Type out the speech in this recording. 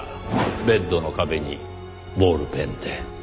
ベッドの壁にボールペンで。